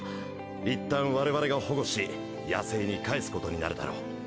一旦我々が保護し野生に返すことになるだろう。